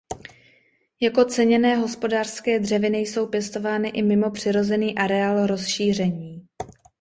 Jako ceněné hospodářské dřeviny jsou pěstovány i mimo přirozený areál rozšíření.